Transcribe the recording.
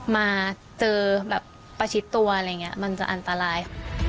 มาเจอแบบประชิดตัวอะไรอย่างนี้มันจะอันตราย